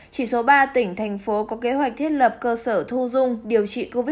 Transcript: chỉ số ba tỉnh thành phố có kế hoạch thiết lập cơ sở thu dung điều trị covid một mươi chín